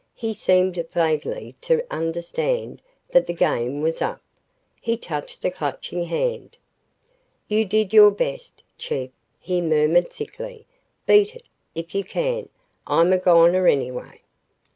He seemed vaguely to understand that the game was up. He touched the Clutching Hand. "You did your best, Chief," he murmured thickly. "Beat it, if you can. I'm a goner, anyway."